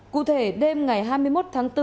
cụ thể đêm ngày hai mươi một tháng bốn